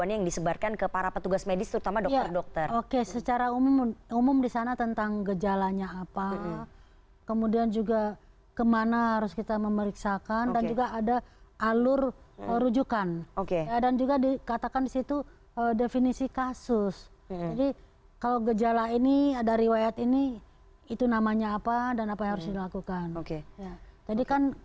yang merupakan jubir pbid